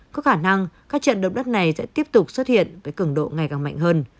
có khả năng các trận động đất này sẽ tiếp tục xuất hiện với cứng độ ngày càng mạnh hơn